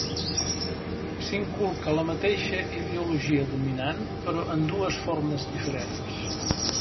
S'inculca la mateixa ideologia dominant, però en dues formes diferents.